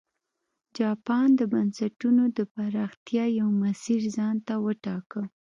جاپان د بنسټونو د پراختیا یو مسیر ځان ته وټاکه.